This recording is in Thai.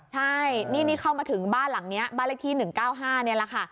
ใช่นี่เข้ามาถึงบ้านหลังนี้บ้านเลขที่๑๙๕นี่แหละค่ะ